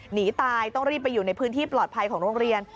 หนีตายต้องรีบไปอยู่ในพื้นที่ปลอดภัยของโรงเรียน